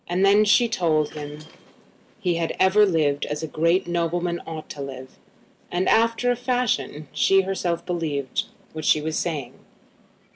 Then she told him he had ever lived as a great nobleman ought to live. And, after a fashion, she herself believed what she was saying.